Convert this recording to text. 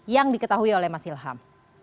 yang diketahui oleh mas ilham